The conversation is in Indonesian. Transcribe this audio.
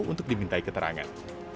untuk dimintai keterangan